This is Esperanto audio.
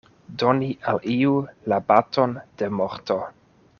Doni al iu la baton de morto.